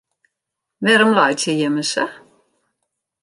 Wêrom laitsje jimme sa?